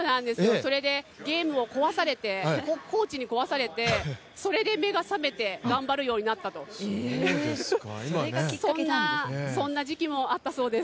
それでゲームをコーチに壊されて、それで目が覚めて頑張るようになったと、そんな時期もあったそうです。